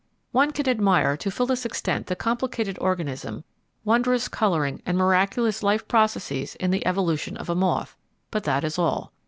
One can admire to fullest extent the complicated organism, wondrous colouring, and miraculous life processes in the evolution of a moth, but that is all.